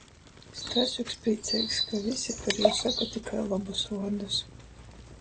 Stasjuks prīceigs, ka vysi par jū soka tikai lobus vuordus.